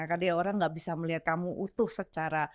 kd orang gak bisa melihat kamu utuh secara